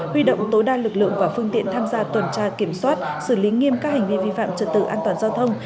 huy động tối đa lực lượng và phương tiện tham gia tuần tra kiểm soát xử lý nghiêm các hành vi vi phạm trật tự an toàn giao thông